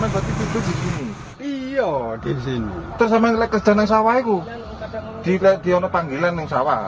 berjalan ke kabupaten kertama